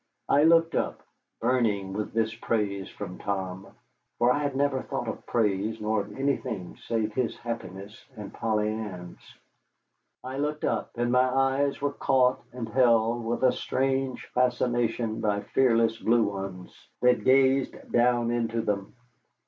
I looked up, burning with this praise from Tom (for I had never thought of praise nor of anything save his happiness and Polly Ann's). I looked up, and my eyes were caught and held with a strange fascination by fearless blue ones that gazed down into them.